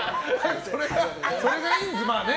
それがいいんですよね。